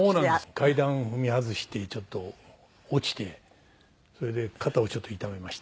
階段を踏み外してちょっと落ちてそれで肩をちょっと痛めまして。